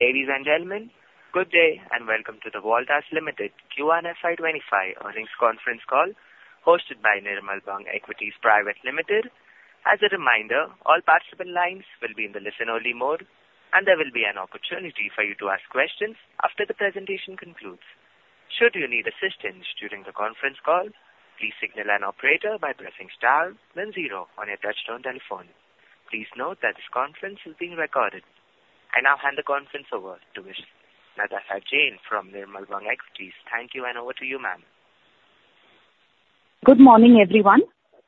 Ladies and gentlemen, good day, and welcome to the Voltas Limited Q1 FY 2025 earnings conference call, hosted by Nirmal Bang Institutional Equities. As a reminder, all participant lines will be in the listen-only mode, and there will be an opportunity for you to ask questions after the presentation concludes. Should you need assistance during the conference call, please signal an operator by pressing star then zero on your touchtone telephone. Please note that this conference is being recorded. I now hand the conference over to Ms. Natasha Jain from Nirmal Bang Institutional Equities. Thank you, and over to you, ma'am. Good morning, everyone.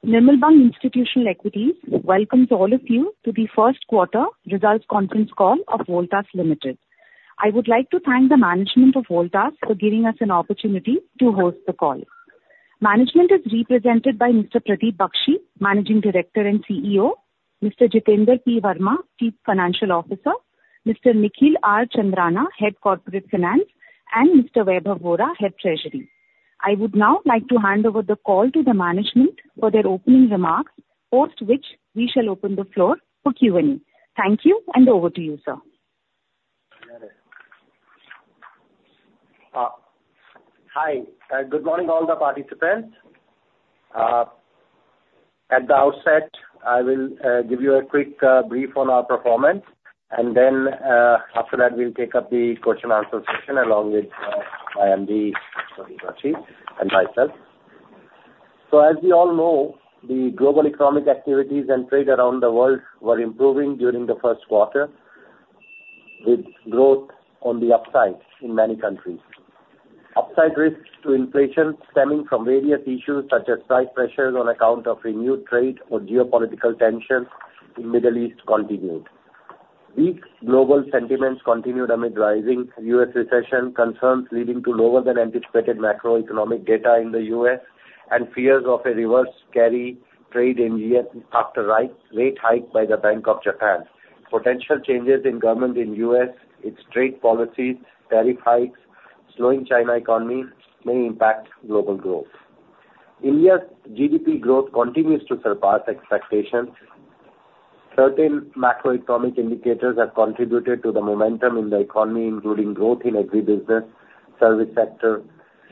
Nirmal Bang Institutional Equities welcomes all of you to the first quarter results conference call of Voltas Limited. I would like to thank the management of Voltas for giving us an opportunity to host the call. Management is represented by Mr. Pradeep Bakshi, Managing Director and CEO; Mr. Jitender P. Verma, Chief Financial Officer; Mr. Nikhil Chandramani, Head Corporate Finance; and Mr. Vaibhav Vora, Head Treasury. I would now like to hand over the call to the management for their opening remarks, post which we shall open the floor for Q&A. Thank you, and over to you, sir. Hi, good morning, all the participants. At the outset, I will give you a quick brief on our performance, and then, after that, we'll take up the question and answer session along with our MD, Pradeep Bakshi, and myself. So as we all know, the global economic activities and trade around the world were improving during the first quarter, with growth on the upside in many countries. Upside risks to inflation stemming from various issues, such as price pressures on account of renewed trade or geopolitical tension in Middle East continued. Weak global sentiments continued amid rising U.S. recession concerns, leading to lower than anticipated macroeconomic data in the U.S. and fears of a reverse carry trade in yen after surprise rate hike by the Bank of Japan. Potential changes in government in U.S., its trade policies, tariff hikes, slowing China economy may impact global growth. India's GDP growth continues to surpass expectations. Certain macroeconomic indicators have contributed to the momentum in the economy, including growth in agri business, service sector,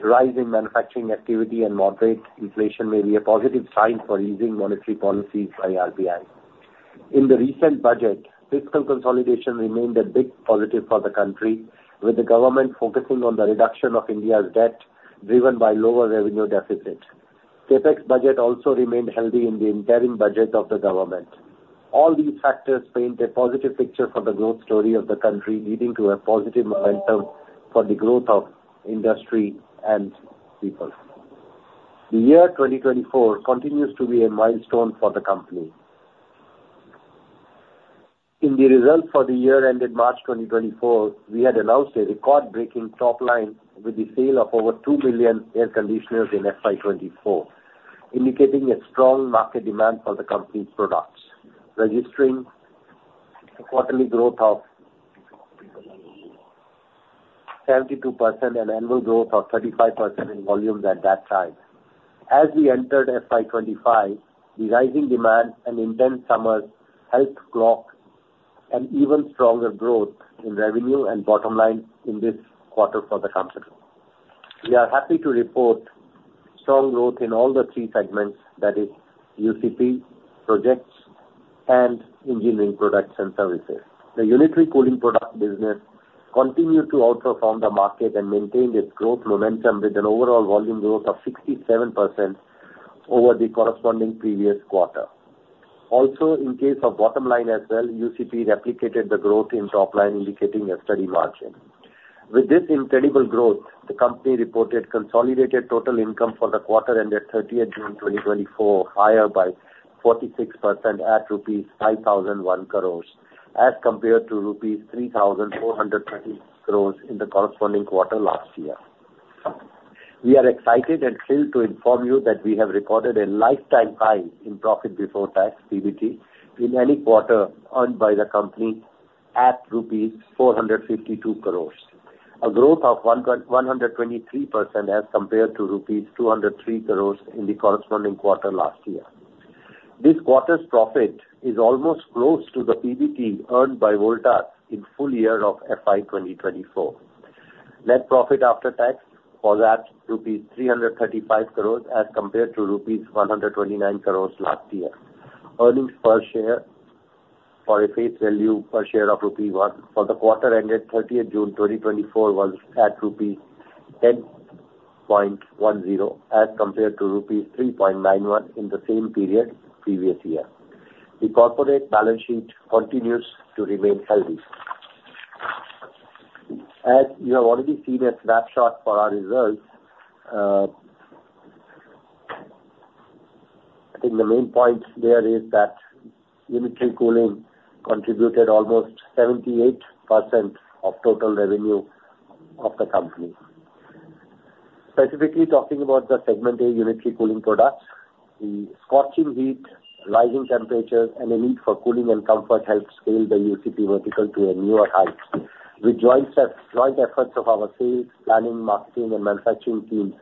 rise in manufacturing activity, and moderate inflation may be a positive sign for easing monetary policies by RBI. In the recent budget, fiscal consolidation remained a big positive for the country, with the government focusing on the reduction of India's debt, driven by lower revenue deficit. CapEx budget also remained healthy in the entire budget of the government. All these factors paint a positive picture for the growth story of the country, leading to a positive momentum for the growth of industry and people. The year 2024 continues to be a milestone for the company. In the results for the year ended March 2024, we had announced a record-breaking top line with the sale of over 2 billion air conditioners in FY 2024, indicating a strong market demand for the company's products, registering a quarterly growth of 72% and annual growth of 35% in volumes at that time. As we entered FY 2025, the rising demand and intense summers helped clock an even stronger growth in revenue and bottom line in this quarter for the company. We are happy to report strong growth in all the three segments, that is UCP, projects, and engineering products and services. The unitary cooling product business continued to outperform the market and maintain its growth momentum, with an overall volume growth of 67% over the corresponding previous quarter. Also, in case of bottom line as well, UCP replicated the growth in top line, indicating a steady margin. With this incredible growth, the company reported consolidated total income for the quarter ended 30th June 2024, higher by 46% at rupees 5,001 crore, as compared to rupees 3,420 crore in the corresponding quarter last year. We are excited and thrilled to inform you that we have recorded a lifetime high in profit before tax, PBT, in any quarter earned by the company at rupees 452 crore, a growth of 123% as compared to rupees 203 crore in the corresponding quarter last year. This quarter's profit is almost close to the PBT earned by Voltas in full year of FY 2024. Net profit after tax was at rupees 335 crore, as compared to rupees 129 crore last year. Earnings per share for a face value per share of rupee 1 for the quarter ended 30th June 2024 was at rupees 10.10, as compared to rupees 3.91 in the same period previous year. The corporate balance sheet continues to remain healthy. As you have already seen a snapshot for our results, I think the main point there is that unitary cooling contributed almost 78% of total revenue of the company. Specifically, talking about the segment A, unitary cooling products, the scorching heat, rising temperatures, and a need for cooling and comfort helped scale the UCP vertical to a newer height. With joint efforts of our sales, planning, marketing, and manufacturing teams.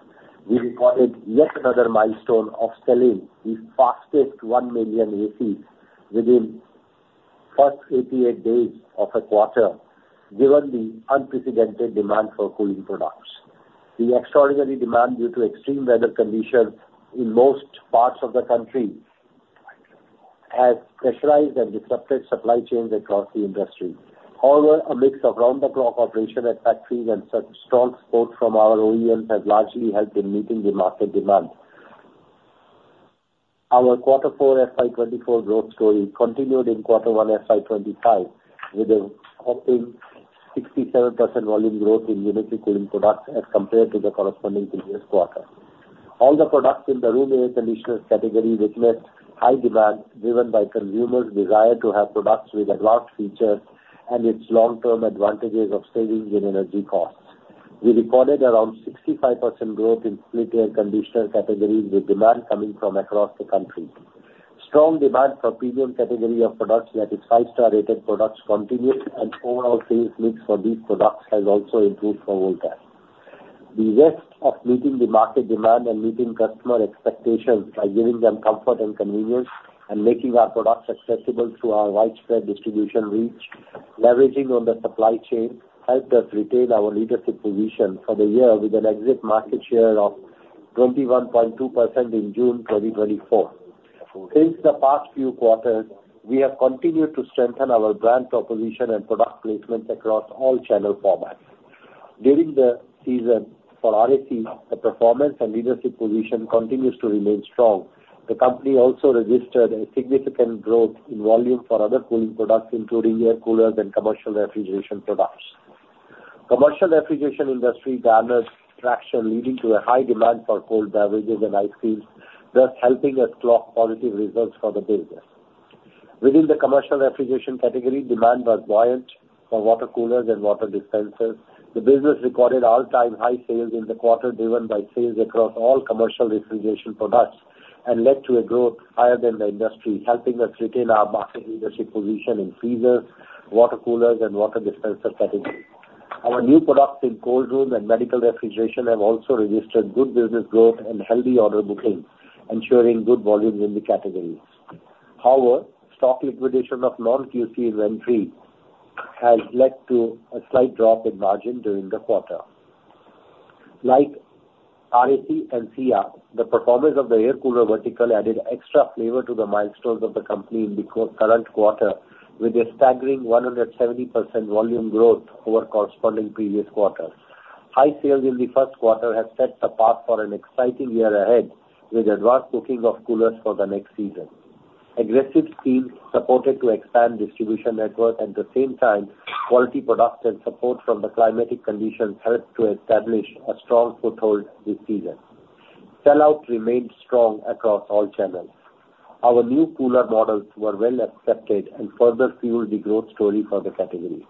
We recorded yet another milestone of selling the fastest 1 million ACs within first 88 days of a quarter, given the unprecedented demand for cooling products. The extraordinary demand due to extreme weather conditions in most parts of the country has pressurized and disrupted supply chains across the industry. However, a mix of round-the-clock operation at factories and strong support from our OEMs has largely helped in meeting the market demand. Our Quarter Four FY 2024 growth story continued in Quarter One FY 2025, with a whopping 67% volume growth in unit cooling products as compared to the corresponding previous quarter. All the products in the room air conditioners category witnessed high demand, driven by consumers' desire to have products with advanced features and its long-term advantages of savings in energy costs. We recorded around 65% growth in split air conditioner categories, with demand coming from across the country. Strong demand for premium category of products, that is five-star rated products, continued, and overall sales mix for these products has also improved for Voltas. The rest of meeting the market demand and meeting customer expectations by giving them comfort and convenience, and making our products accessible through our widespread distribution reach, leveraging on the supply chain, helped us retain our leadership position for the year with an exit market share of 21.2% in June 2024. Since the past few quarters, we have continued to strengthen our brand proposition and product placement across all channel formats. During the season for RAC, the performance and leadership position continues to remain strong. The company also registered a significant growth in volume for other cooling products, including air coolers and commercial refrigeration products. Commercial refrigeration industry garnered traction, leading to a high demand for cold beverages and ice creams, thus helping us clock positive results for the business. Within the commercial refrigeration category, demand was buoyant for water coolers and water dispensers. The business recorded all-time high sales in the quarter, driven by sales across all commercial refrigeration products, and led to a growth higher than the industry, helping us retain our market leadership position in freezers, water coolers and water dispenser category. Our new products in cold room and medical refrigeration have also registered good business growth and healthy order bookings, ensuring good volumes in the categories. However, stock liquidation of non-QCO has led to a slight drop in margin during the quarter. Like RAC and CR, the performance of the air cooler vertical added extra flavor to the milestones of the company in the current quarter, with a staggering 170% volume growth over corresponding previous quarters. High sales in the first quarter have set the path for an exciting year ahead, with advanced bookings of coolers for the next season. Aggressive teams supported to expand distribution network, at the same time, quality products and support from the climatic conditions helped to establish a strong foothold this season. Sell-out remained strong across all channels. Our new cooler models were well accepted and further fueled the growth story for the category.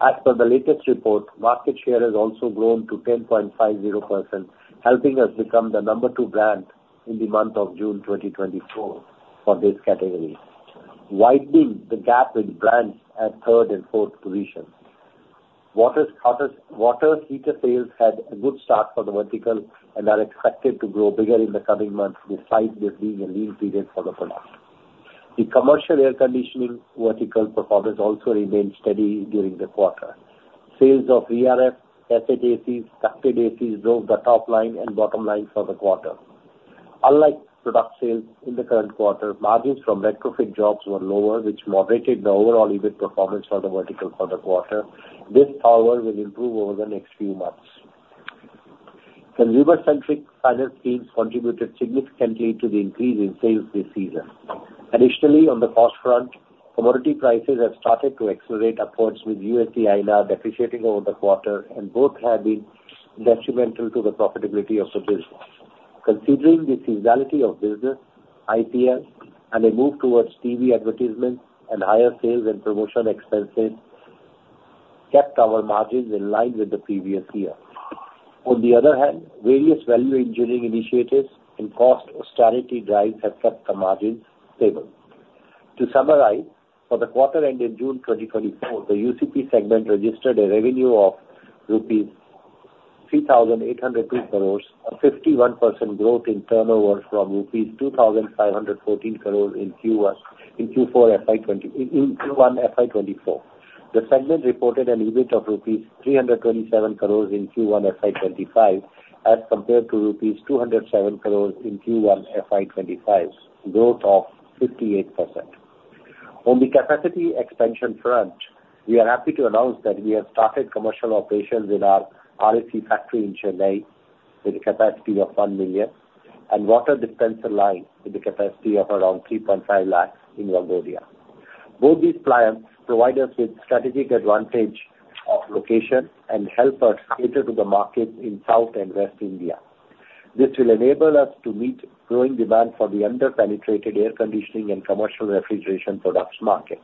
As per the latest report, market share has also grown to 10.50%, helping us become the number two brand in the month of June 2024 for this category, widening the gap with brands at third and fourth position. Water heater sales had a good start for the vertical and are expected to grow bigger in the coming months, despite this being a lean period for the product. The commercial air conditioning vertical performance also remained steady during the quarter. Sales of VRF, cassette ACs, ducted ACs drove the top line and bottom line for the quarter. Unlike product sales in the current quarter, margins from retrofit jobs were lower, which moderated the overall EBIT performance for the vertical for the quarter. This, however, will improve over the next few months. The labor-centric finance teams contributed significantly to the increase in sales this season. Additionally, on the cost front, commodity prices have started to accelerate upwards, with USD-INR depreciating over the quarter, and both have been detrimental to the profitability of the business. Considering the seasonality of business, IPL, and a move towards TV advertisements and higher sales and promotional expenses, kept our margins in line with the previous year. On the other hand, various value engineering initiatives and cost austerity drives have kept the margins stable. To summarize, for the quarter ended June 2024, the UCP segment registered a revenue of rupees 3,803 crore, a 51% growth in turnover from rupees 2,514 crore in Q1 FY24. The segment reported an EBIT of rupees 327 crore in Q1 FY 2025, as compared to rupees 207 crore in Q1 FY 2025, growth of 58%. On the capacity expansion front, we are happy to announce that we have started commercial operations in our RAC factory in Chennai, with a capacity of 1 million, and water dispenser line with a capacity of around 3.5 lakh in Vadodara. Both these plants provide us with strategic advantage of location and help us cater to the markets in South and West India. This will enable us to meet growing demand for the under-penetrated air conditioning and commercial refrigeration products market.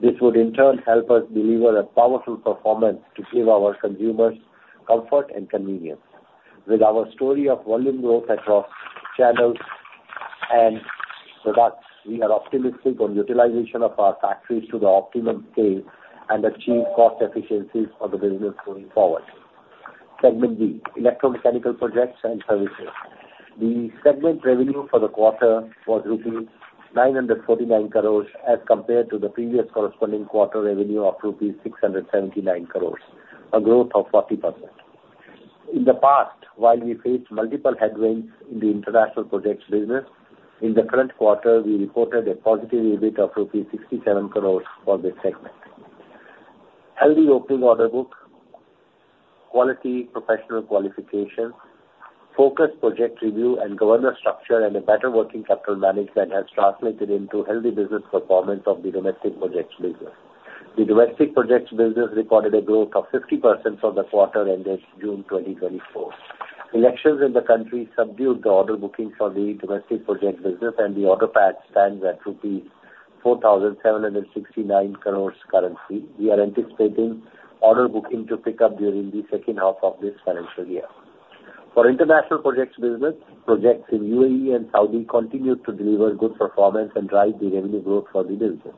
This would in turn help us deliver a powerful performance to give our consumers comfort and convenience. With our story of volume growth across channels. and products, we are optimistic on utilization of our factories to the optimum scale and achieve cost efficiencies for the business going forward. Segment B, electromechanical projects and services. The segment revenue for the quarter was rupees 949 crores, as compared to the previous corresponding quarter revenue of rupees 679 crores, a growth of 40%. In the past, while we faced multiple headwinds in the international projects business, in the current quarter, we reported a positive EBIT of 67 crores rupees for this segment. Healthy opening order book, quality professional qualifications, focused project review and governance structure, and a better working capital management has translated into healthy business performance of the domestic projects business. The domestic projects business recorded a growth of 50% for the quarter ended June 2024. Elections in the country subdued the order bookings for the domestic project business, and the order book stands at rupees 4,769 crore currently. We are anticipating order booking to pick up during the second half of this financial year. For international projects business, projects in UAE and Saudi continued to deliver good performance and drive the revenue growth for the business.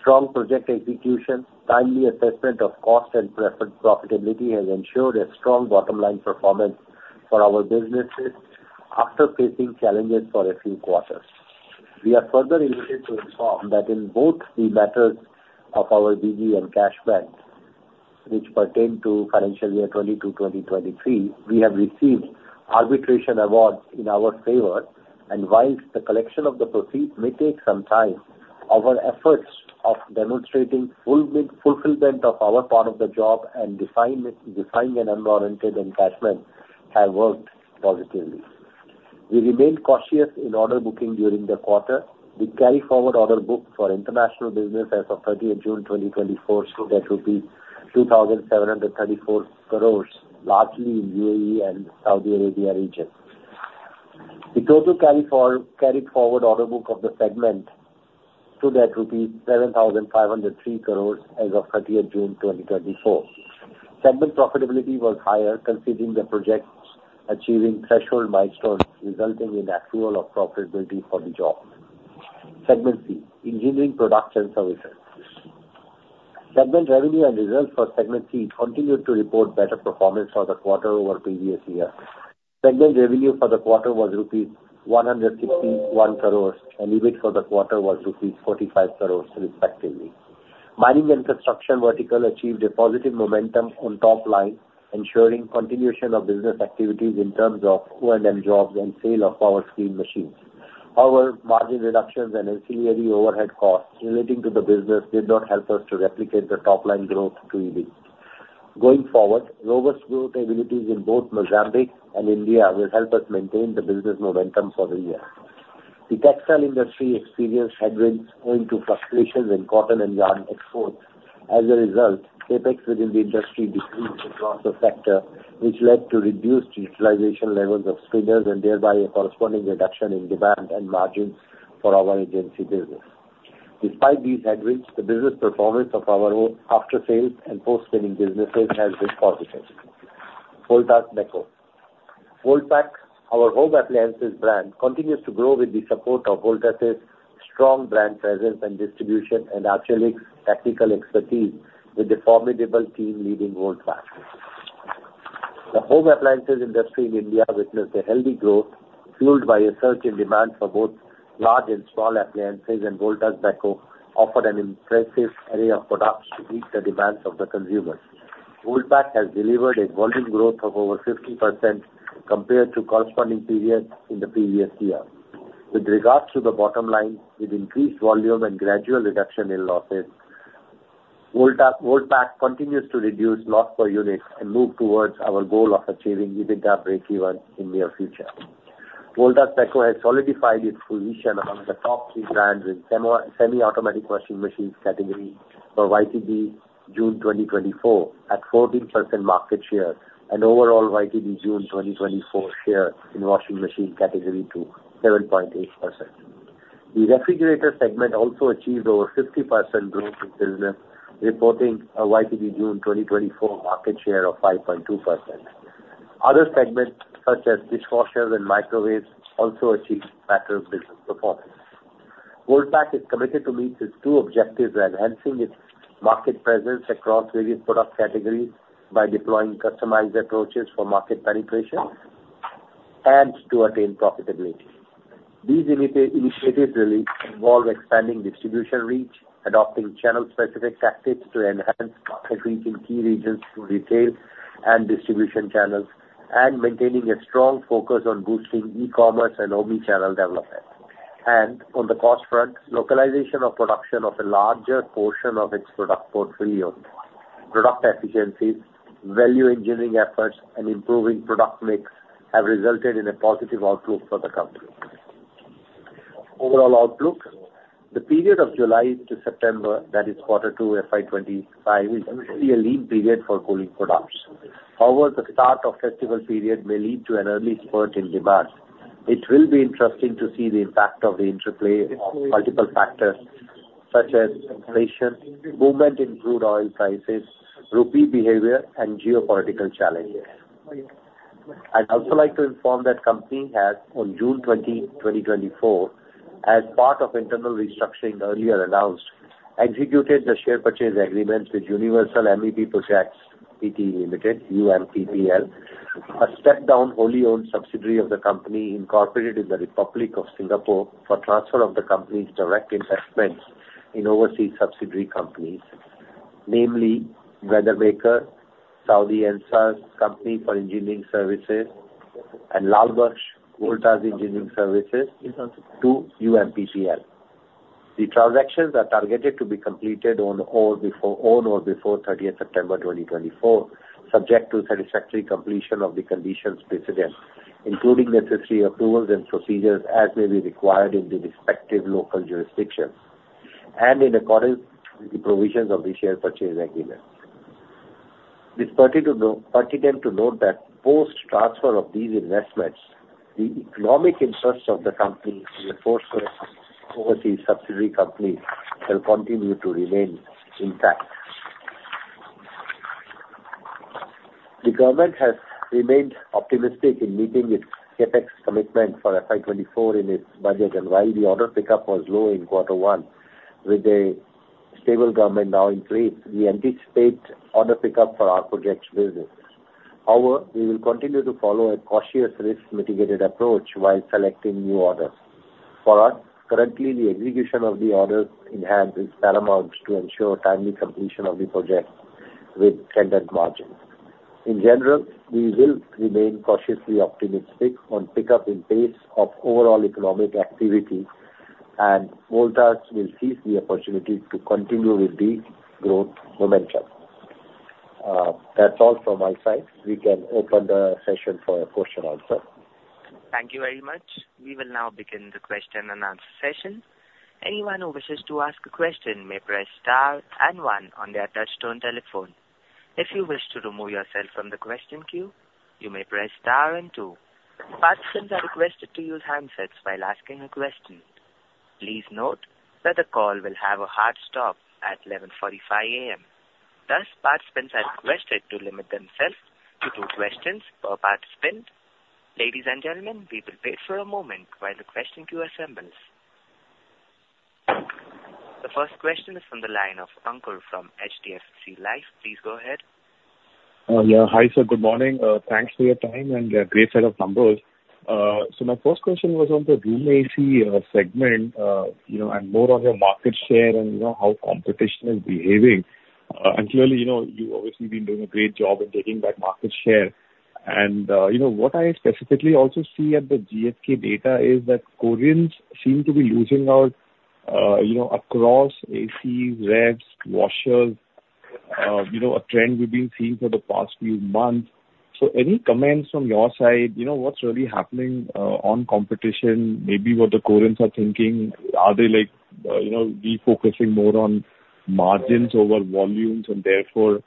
Strong project execution, timely assessment of cost and preferred profitability has ensured a strong bottom line performance for our businesses after facing challenges for a few quarters. We are further elated to inform that in both the matters of our BG and cash banks, which pertain to financial year 2022-2023, we have received arbitration awards in our favor, and while the collection of the proceeds may take some time, our efforts of demonstrating full fulfillment of our part of the job and defend an unwarranted encashment have worked positively. We remained cautious in order booking during the quarter. The carry-forward order book for international business as of 30th June 2024 stood at 2,734 crore, largely in UAE and Saudi Arabia region. The total carry-forward order book of the segment stood at 7,503 crore as of 30th June 2024. Segment profitability was higher, considering the projects achieving threshold milestones, resulting in accrual of profitability for the job. Segment C, engineering products and services. Segment revenue and results for segment C continued to report better performance for the quarter over previous year. Segment revenue for the quarter was rupees 161 crores, and EBIT for the quarter was rupees 45 crores, respectively. Mining and construction vertical achieved a positive momentum on top line, ensuring continuation of business activities in terms of O&M jobs and sale of our screeners. However, margin reductions and ancillary overhead costs relating to the business did not help us to replicate the top line growth to EBIT. Going forward, robust growth abilities in both Mozambique and India will help us maintain the business momentum for the year. The textile industry experienced headwinds owing to frustrations in cotton and yarn exports. As a result, CapEx within the industry decreased across the sector, which led to reduced utilization levels of screeners and thereby a corresponding reduction in demand and margins for our agency business. Despite these headwinds, the business performance of our own after-sales and post-screening businesses has been positive. Voltas Beko. Voltas Beko, our home appliances brand, continues to grow with the support of Voltas' strong brand presence and distribution, and Arcelik technical expertise with the formidable team leading Voltas Beko. The home appliances industry in India witnessed a healthy growth, fueled by a surge in demand for both large and small appliances, and Voltas Beko offered an impressive array of products to meet the demands of the consumers. Voltas Beko has delivered a volume growth of over 50% compared to corresponding periods in the previous year. With regards to the bottom line, with increased volume and gradual reduction in losses, Voltas Beko continues to reduce loss per unit and move towards our goal of achieving EBITDA breakeven in near future. Voltas Beko has solidified its position among the top three brands in semi-automatic washing machines category for YTD June 2024, at 14% market share, and overall YTD June 2024 share in washing machine category to 7.8%. The refrigerator segment also achieved over 50% growth in business, reporting a YTD June 2024 market share of 5.2%. Other segments, such as dishwashers and microwaves, also achieved better business performance. Voltas Beko is committed to meet its two objectives, enhancing its market presence across various product categories by deploying customized approaches for market penetration and to attain profitability. These initiatives really involve expanding distribution reach, adopting channel-specific tactics to enhance market reach in key regions through retail and distribution channels, and maintaining a strong focus on boosting e-commerce and omni-channel development. On the cost front, localization of production of a larger portion of its product portfolio, product efficiencies, value engineering efforts, and improving product mix have resulted in a positive outlook for the company. Overall outlook. The period of July to September, that is quarter two FY25, is usually a lean period for cooling products. However, the start of festival period may lead to an early spurt in demand. It will be interesting to see the impact of the interplay of multiple factors. Such as inflation, movement in crude oil prices, rupee behavior, and geopolitical challenges. I'd also like to inform that company has, on June 20, 2024, as part of internal restructuring earlier announced, executed the share purchase agreement with Universal MEP Projects Pte Limited, UMPPL, a step-down wholly owned subsidiary of the company, incorporated in the Republic of Singapore, for transfer of the company's direct investments in overseas subsidiary companies, namely, Weathermaker Limited, Saudi Ensas Company for Engineering Services W.L.L., and Lalbuksh Voltas Engineering Services & Trading L.L.C. to UMPPL. The transactions are targeted to be completed on or before 30th September, 2024, subject to satisfactory completion of the conditions precedent, including necessary approvals and procedures as may be required in the respective local jurisdictions and in accordance with the provisions of the share purchase agreement. It's pertinent, pertinent to note that post-transfer of these investments, the economic interests of the company in the aforesaid overseas subsidiary companies will continue to remain intact. The government has remained optimistic in meeting its CapEx commitment for FY 2024 in its budget, and while the order pickup was low in quarter one, with a stable government now in place, we anticipate order pickup for our projects business. However, we will continue to follow a cautious, risk-mitigated approach while selecting new orders. For us, currently, the execution of the orders in hand is paramount to ensure timely completion of the project with attendant margins. In general, we will remain cautiously optimistic on pickup in pace of overall economic activity, and Voltas will seize the opportunity to continue with the growth momentum. That's all from my side. We can open the session for a question answer. Thank you very much. We will now begin the question-and-answer session. Anyone who wishes to ask a question may press star and one on their touchtone telephone. If you wish to remove yourself from the question queue, you may press star and two. Participants are requested to use handsets while asking a question. Please note that the call will have a hard stop at 11:45 A.M., thus, participants are requested to limit themselves to two questions per participant. Ladies and gentlemen, we will wait for a moment while the question queue assembles. The first question is from the line of Ankur from HDFC Life. Please go ahead. Yeah. Hi, sir. Good morning. Thanks for your time and a great set of numbers. So my first question was on the room AC segment, you know, and more on your market share, and, you know, how competition is behaving. And clearly, you know, you've obviously been doing a great job in taking back market share. And, you know, what I specifically also see at the GfK data is that Koreans seem to be losing out, you know, across AC, fridges, washers, you know, a trend we've been seeing for the past few months. So any comments from your side, you know, what's really happening on competition, maybe what the Koreans are thinking? Are they like, you know, refocusing more on margins over volumes, and therefore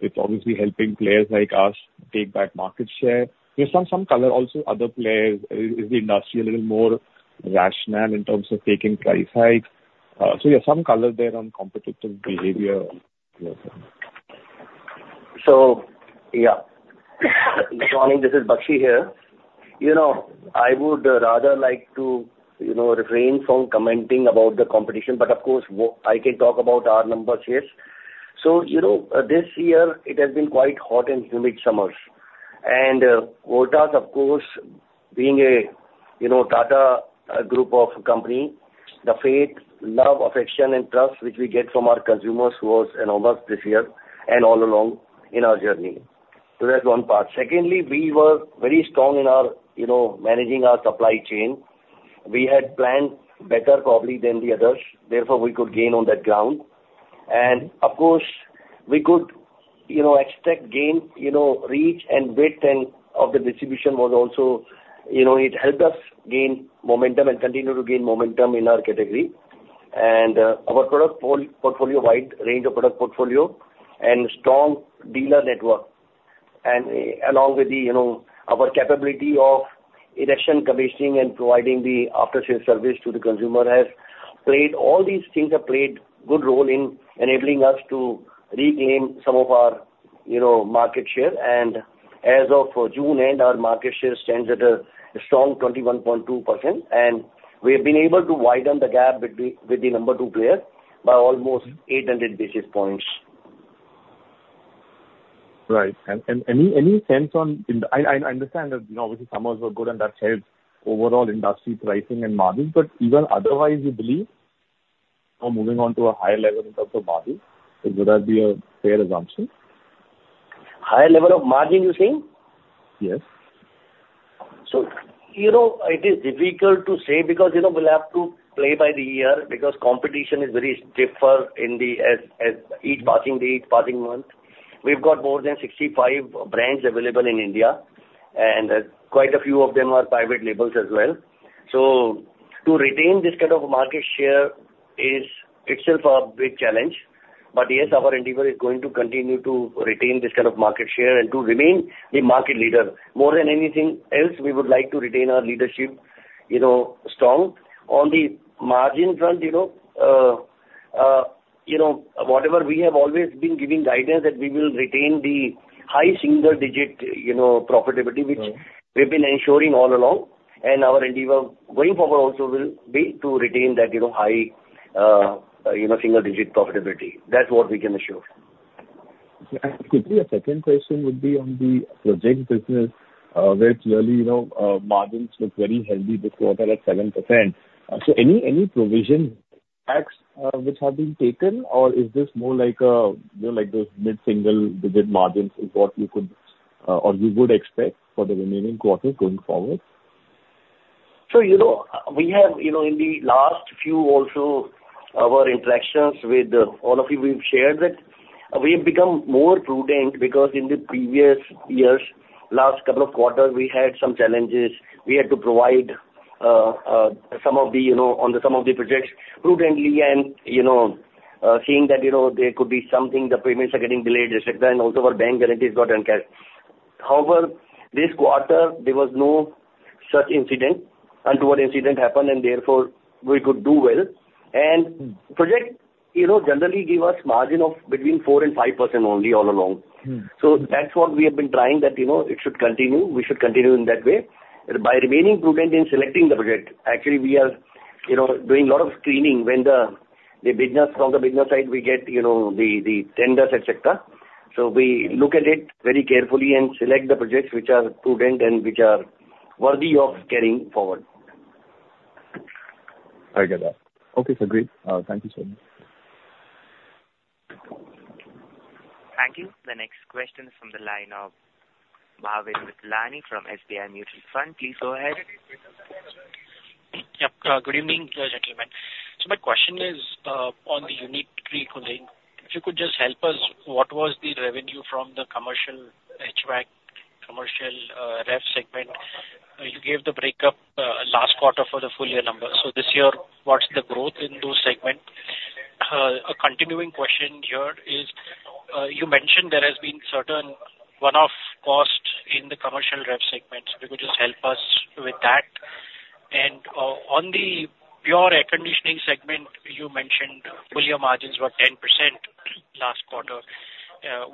it's obviously helping players like us take back market share? Just some color, also, other players. Is the industry a little more rational in terms of taking price hikes? So yeah, some color there on competitive behavior. So yeah. Good morning, this is Bakshi here. You know, I would rather like to, you know, refrain from commenting about the competition, but of course, what, I can talk about our numbers, yes. So, you know, this year it has been quite hot and humid summers. And, Voltas, of course, being a, you know, Tata Group of company, the faith, love, affection, and trust which we get from our consumers was enormous this year and all along in our journey. So that's one part. Secondly, we were very strong in our, you know, managing our supply chain. We had planned better probably than the others, therefore, we could gain on that ground. Of course, we could, you know, expect gain, you know, reach and breadth and of the distribution was also, you know, it helped us gain momentum and continue to gain momentum in our category. And our product portfolio, wide range of product portfolio and strong dealer network, and along with the, you know, our capability of installation, commissioning, and providing the after-sales service to the consumer, has played—all these things have played good role in enabling us to regain some of our, you know, market share. And as of June end, our market share stands at a strong 21.2%, and we have been able to widen the gap with the number two player by almost 800 basis points. Right. And any sense on... I understand that, you know, obviously, summers were good and that helped overall industry pricing and margins, but even otherwise, you believe we're moving on to a higher level in terms of margin? So would that be a fair assumption? Higher level of margin, you're saying? Yes. So, you know, it is difficult to say because, you know, we'll have to play by the ear because competition is very stiffer in the, as, as each passing day, each passing month. We've got more than 65 brands available in India, and quite a few of them are private labels as well. So to retain this kind of market share is itself a big challenge. But yes, our endeavor is going to continue to retain this kind of market share and to remain the market leader. More than anything else, we would like to retain our leadership, you know, strong. On the margin front, you know, you know, whatever we have always been giving guidance that we will retain the high single digit, you know, profitability, which we've been ensuring all along, and our endeavor going forward also will be to retain that, you know, high, you know, single digit profitability. That's what we can assure. And quickly, a second question would be on the project business, where clearly, you know, margins look very healthy this quarter at 7%. So any, any provision facts, which have been taken, or is this more like a, you know, like those mid-single digit margins is what you could, or we would expect for the remaining quarters going forward? So, you know, we have, you know, in the last few also, our interactions with all of you, we've shared that we've become more prudent because in the previous years, last couple of quarters, we had some challenges. We had to provide some of the, you know, on the some of the projects prudently and, you know, seeing that, you know, there could be something, the payments are getting delayed, et cetera, and also our bank guarantees got encashed. However, this quarter, there was no such untoward incident happened, and therefore, we could do well. And project, you know, generally give us margin of between 4% and 5% only all along. Mm-hmm. So that's what we have been trying, that, you know, it should continue, we should continue in that way. By remaining prudent in selecting the project, actually, we are, you know, doing a lot of screening when the business, from the business side, we get, you know, the tenders, et cetera. So we look at it very carefully and select the projects which are prudent and which are worthy of carrying forward. I get that. Okay, sir. Great. Thank you so much. Thank you. The next question is from the line of Bhavik Vithlani from SBI Mutual Fund. Please go ahead. Yep. Good evening, gentlemen. So my question is, on the unitary cooling. If you could just help us, what was the revenue from the commercial HVAC, commercial, ref segment? You gave the breakup, last quarter for the full year number. So this year, what's the growth in those segment? A continuing question here is, you mentioned there has been certain one-off costs in the commercial ref segment. If you could just help us with that. And, on the pure air conditioning segment, you mentioned full year margins were 10% last quarter.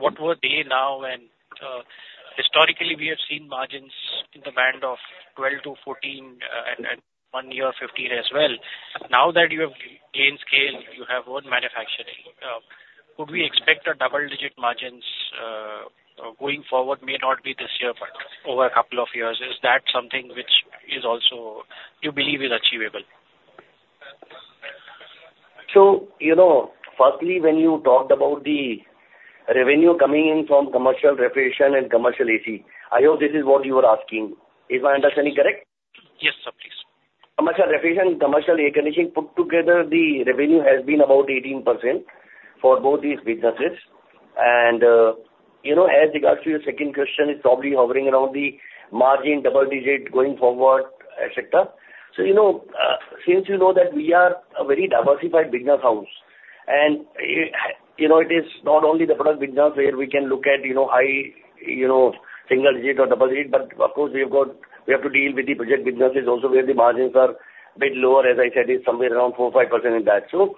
What were they now? And, historically, we have seen margins in the band of 12%-14%, and, and one year, 15% as well. Now that you have gained scale, you have own manufacturing, could we expect double-digit margins, going forward? May not be this year, but over a couple of years. Is that something which is also you believe is achievable? You know, firstly, when you talked about the revenue coming in from commercial refrigeration and commercial AC, I hope this is what you are asking. Is my understanding correct? Yes, sir. Please. Commercial refrigeration, commercial air conditioning, put together the revenue has been about 18% for both these businesses. And, you know, as regards to your second question, it's probably hovering around the margin, double-digit, going forward, et cetera. So, you know, since you know that we are a very diversified business house, and, it, you know, it is not only the product business where we can look at, you know, high, you know, single-digit or double-digit, but of course, we've got—we have to deal with the project businesses also, where the margins are a bit lower, as I said, is somewhere around 4%-5% in that. So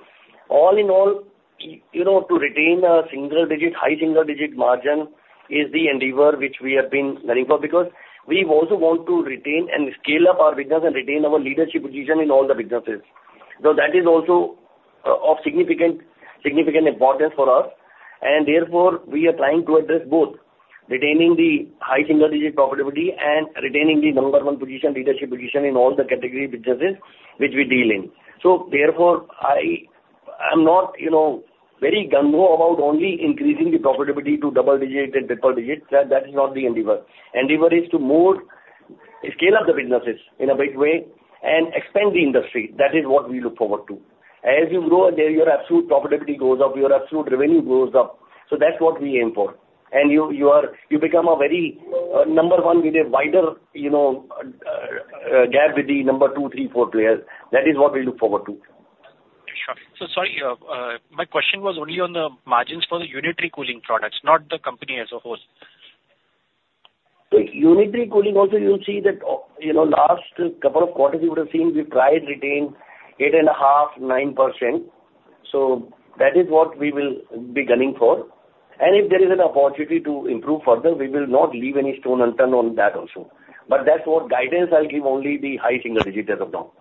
all in all, you know, to retain a single digit, high single digit margin is the endeavor which we have been gunning for, because we also want to retain and scale up our business and retain our leadership position in all the businesses. So that is also of significant, significant importance for us, and therefore, we are trying to address both, retaining the high single digit profitability and retaining the number one position, leadership position, in all the category businesses which we deal in. So therefore, I'm not, you know, very gung ho about only increasing the profitability to double digit and triple digits. That is not the endeavor. Endeavor is to more scale up the businesses in a big way and expand the industry. That is what we look forward to. As you grow, then your absolute profitability goes up, your absolute revenue goes up. So that's what we aim for. And you, you are, you become a very number one with a wider, you know, gap with the number two, three, four players. That is what we look forward to. Sure. So sorry, my question was only on the margins for the unitary cooling products, not the company as a whole. So unitary cooling also, you'll see that, you know, last couple of quarters you would have seen, we tried retain 8.5%-9%, so that is what we will be gunning for. And if there is an opportunity to improve further, we will not leave any stone unturned on that also. But that's what guidance I'll give, only the high single digit as of now.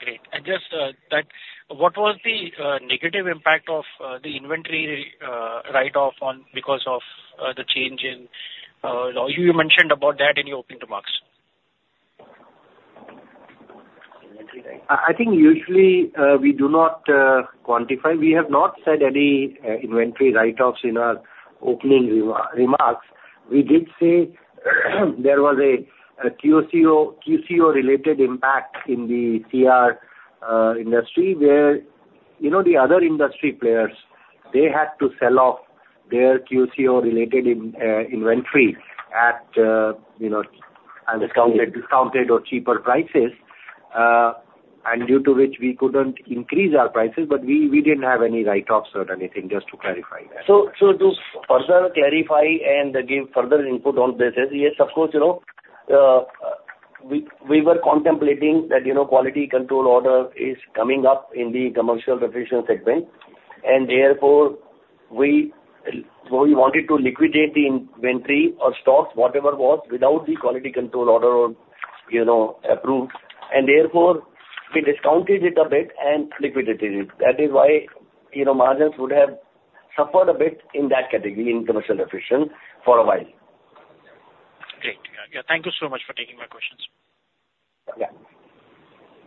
Great. Just, what was the negative impact of the inventory write-off on because of the change in... You mentioned about that in your opening remarks. I think usually we do not quantify. We have not said any inventory write-offs in our opening remarks. We did say there was a QCO related impact in the CR industry, where you know the other industry players they had to sell off their QCO related inventory at you know discounted or cheaper prices. And due to which we couldn't increase our prices, but we didn't have any write-offs or anything, just to clarify that. So, to further clarify and give further input on this, yes, of course, you know, we were contemplating that, you know, quality control order is coming up in the commercial refrigeration segment, and therefore, we wanted to liquidate the inventory or stocks, whatever was without the quality control order, you know, approved, and therefore, we discounted it a bit and liquidated it. That is why, you know, margins would have suffered a bit in that category, in commercial refrigeration, for a while. Great. Yeah, thank you so much for taking my questions. Yeah.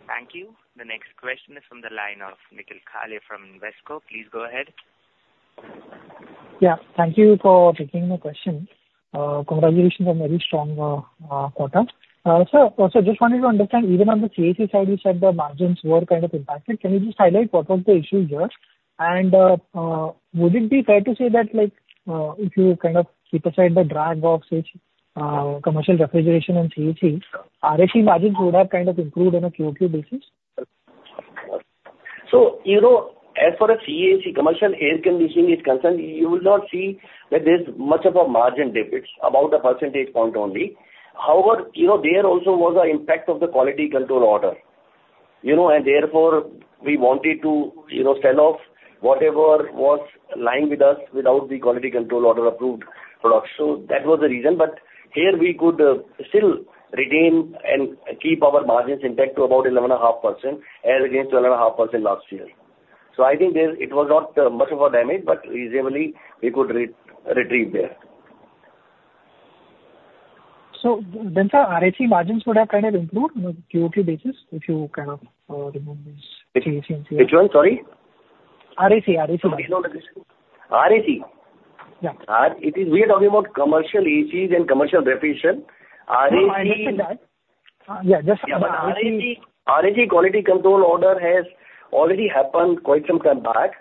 Thank you. The next question is from the line of Nikhil Kale from Invesco. Please go ahead. Yeah, thank you for taking the question. Congratulations on very strong quarter. So also just wanted to understand, even on the CAC side, you said the margins were kind of impacted. Can you just highlight what were the issues there? And, would it be fair to say that, like, if you kind of keep aside the drag of which, commercial refrigeration and CAC, RAC margins would have kind of improved on a QOQ basis? So, you know, as far as CAC, commercial air conditioning is concerned, you will not see that there's much of a margin difference, about 1 percentage point only. However, you know, there also was an impact of the quality control order, you know, and therefore, we wanted to, you know, sell off whatever was lying with us without the quality control order approved products. So that was the reason. But here we could still retain and keep our margins intact to about 11.5%, as against 12.5% last year. So I think there it was not much of a damage, but reasonably we could retrieve there. So then, sir, RAC margins would have kind of improved on a QOQ basis, if you kind of remember this- Which one, sorry? RAC, RAC. RAC? Yeah. It is, we are talking about commercial ACs and commercial refrigeration. RAC. Yeah, just. RAC quality control order has already happened quite some time back.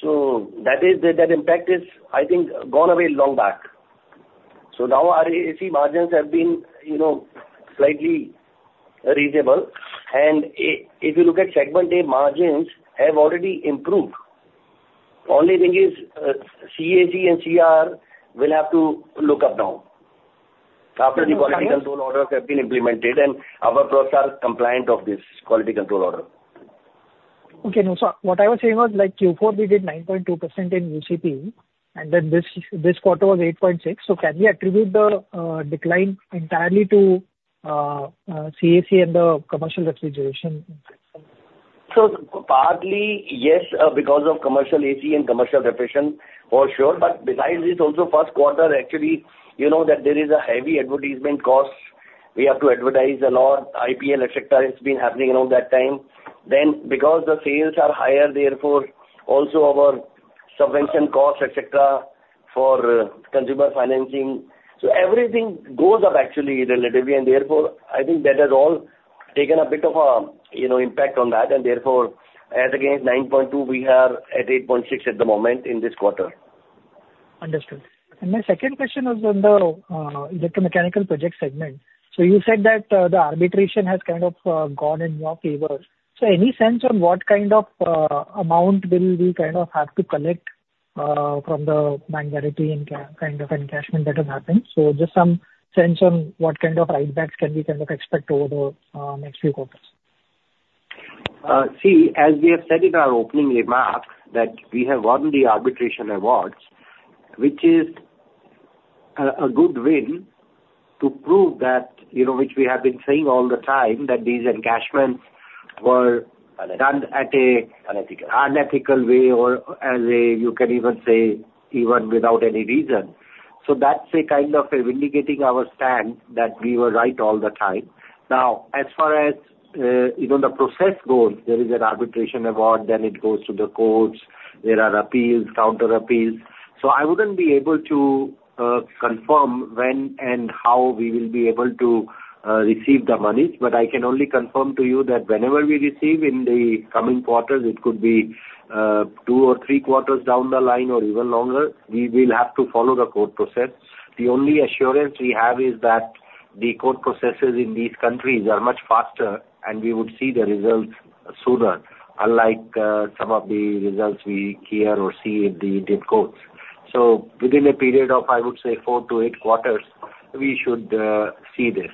So that impact is, I think, gone away long back. So now, RAC margins have been, you know, slightly reasonable. And if you look at segment margins have already improved. Only thing is, CAC and CR will have to look up now, after the quality control orders have been implemented, and our products are compliant of this quality control order. Okay. No, so what I was saying was, like, Q4, we did 9.2% in UCP, and then this quarter was 8.6%. So can we attribute the decline entirely to CAC and the commercial refrigeration? So partly, yes, because of commercial AC and commercial refrigeration, for sure, but besides this, also first quarter, actually, you know that there is a heavy advertisement cost. We have to advertise a lot, IPL, et cetera, it's been happening around that time. Then, because the sales are higher, therefore, also our subvention costs, et cetera, for consumer financing. So everything goes up actually, relatively, and therefore, I think that has all taken a bit of a, you know, impact on that, and therefore, as against 9.2%, we are at 8.6% at the moment in this quarter. Understood. And my second question was on the, like, the mechanical project segment. So you said that the arbitration has kind of gone in your favor. So any sense on what kind of amount will we kind of have to collect from the minority and kind of encashment that has happened? So just some sense on what kind of write-backs can we kind of expect over the next few quarters. See, as we have said in our opening remarks, that we have won the arbitration awards, which is a good win to prove that, you know, which we have been saying all the time, that these encashments were done at a. Unethical. Unethical way or as a, you can even say, even without any reason. So that's a kind of a vindicating our stand, that we were right all the time. Now, as far as, you know, the process goes, there is an arbitration award, then it goes to the courts, there are appeals, counter appeals. So I wouldn't be able to confirm when and how we will be able to receive the money, but I can only confirm to you that whenever we receive in the coming quarters, it could be two or three quarters down the line or even longer, we will have to follow the court process. The only assurance we have is that the court processes in these countries are much faster, and we would see the results sooner, unlike some of the results we hear or see in the Indian courts. So within a period of, I would say, 4-8 quarters, we should see this.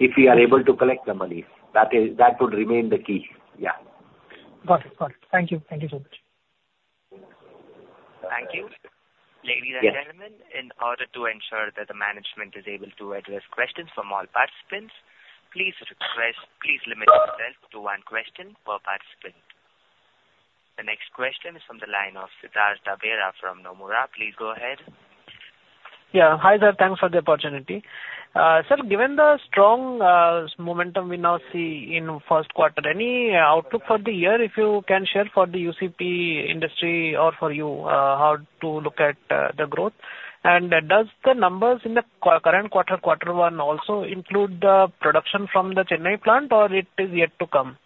If we are able to collect the money, that is, that would remain the key. Yeah. Got it. Got it. Thank you. Thank you so much. Thank you. Ladies and gentlemen, in order to ensure that the management is able to address questions from all participants, please request, please limit yourself to one question per participant. The next question is from the line of Siddhartha Bera from Nomura. Please go ahead. Yeah. Hi, there. Thanks for the opportunity. Sir, given the strong momentum we now see in first quarter, any outlook for the year, if you can share for the UCP industry or for you, how to look at the growth? And does the numbers in the current quarter, quarter one, also include the production from the Chennai plant, or it is yet to come?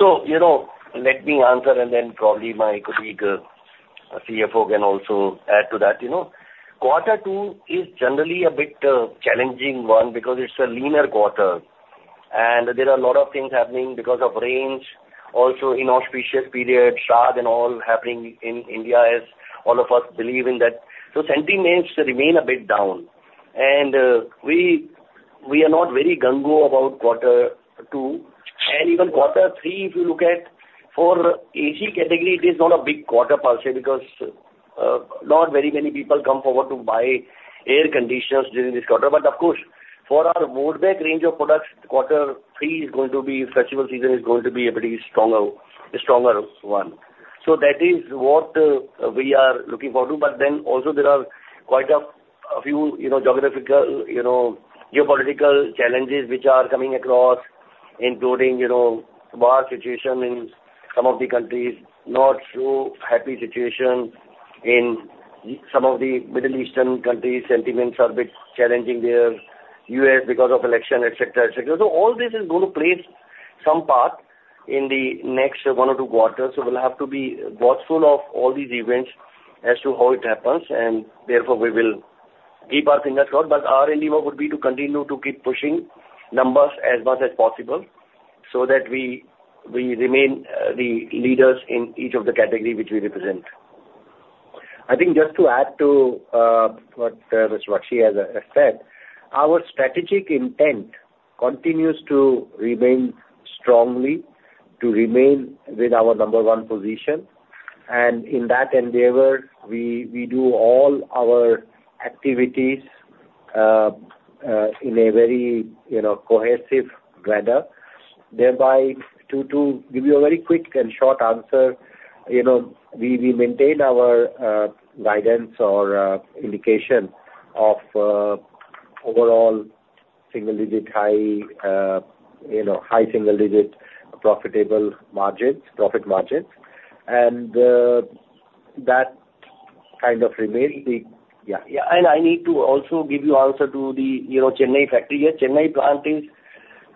So, you know, let me answer, and then probably my colleague, CFO can also add to that. You know, quarter two is generally a bit challenging one because it's a lean quarter, and there are a lot of things happening because of rains, also inauspicious period, Shraddh and all happening in India, as all of us believe in that. So sentiments remain a bit down, and we are not very gung-ho about quarter two. And even quarter three, if you look at, for AC category, it is not a big quarter per se, because not very many people come forward to buy air conditioners during this quarter. But of course, for our wardrobe range of products, quarter three is going to be, festival season is going to be a pretty stronger, stronger one. So that is what we are looking forward to. But then also there are quite a few, you know, geographical, you know, geopolitical challenges which are coming across, including, you know, war situation in some of the countries, not so happy situation in some of the Middle Eastern countries. Sentiments are a bit challenging there. U.S. because of election, et cetera, et cetera. So all this is going to play some part in the next one or two quarters. So we'll have to be watchful of all these events as to how it happens, and therefore, we will keep our fingers crossed. But our endeavor would be to continue to keep pushing numbers as much as possible, so that we, we remain the leaders in each of the category which we represent. I think just to add to what Mr. Bakshi has said, our strategic intent continues to remain strongly to remain with our number one position, and in that endeavor, we do all our activities in a very, you know, cohesive manner. Thereby, to give you a very quick and short answer, you know, we maintain our guidance or indication of overall single digit high, you know, high single digit profitable margins, profit margins, and that kind of remains the... Yeah. Yeah, and I need to also give you answer to the, you know, Chennai factory. Yeah, Chennai plant is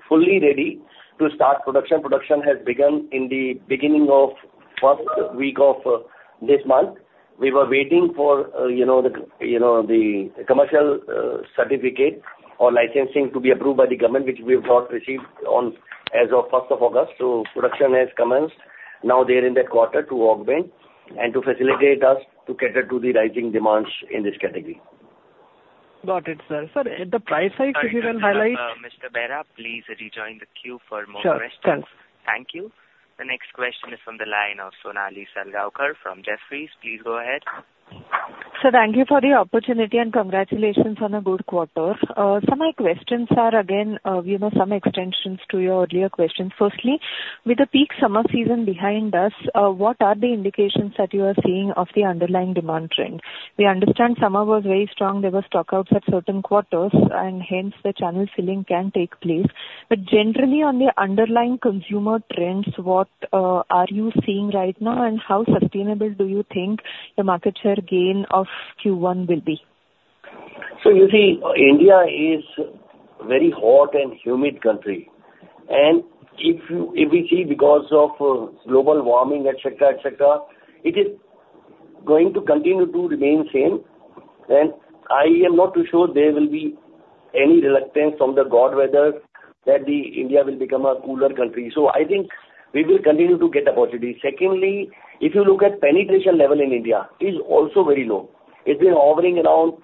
fully ready to start production. Production has begun in the beginning of first week of this month. We were waiting for, you know, the, you know, the commercial certificate or licensing to be approved by the government, which we have got received as of first of August. So production has commenced. Now they are in the quarter to augment and to facilitate us to cater to the rising demands in this category. Got it, sir. Sir, at the price side, if you will highlight. Mr. Bera, please rejoin the queue for more questions. Sure, sure. Thank you. The next question is from the line of Sonali Salgaonkar from Jefferies. Please go ahead. Sir, thank you for the opportunity, and congratulations on a good quarter. Some of my questions are, again, you know, some extensions to your earlier questions. Firstly, with the peak summer season behind us, what are the indications that you are seeing of the underlying demand trend? We understand summer was very strong. There were stockouts at certain quarters, and hence the channel filling can take place. But generally, on the underlying consumer trends, what are you seeing right now, and how sustainable do you think the market share gain of Q1 will be? So you see, India is a very hot and humid country, and if you, if we see because of global warming, et cetera, et cetera, it is going to continue to remain the same. And I am not too sure there will be any reluctance from the good weather that India will become a cooler country. So I think we will continue to get opportunity. Secondly, if you look at penetration level in India, it is also very low. It's been hovering around